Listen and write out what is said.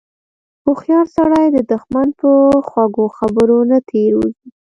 هوښیار سړی د دښمن په خوږو خبرو نه تیر وځي.